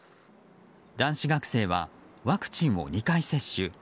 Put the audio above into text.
男子学生はワクチンを２回接種。